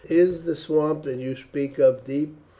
"Is the swamp that you speak of deep?"